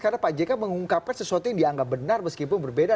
karena pak jk mengungkapkan sesuatu yang dianggap benar meskipun berbeda